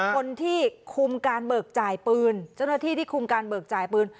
คนที่คุมการเบิกจ่ายปืนเจ้าหน้าที่ที่คุมการเบิกจ่ายปืน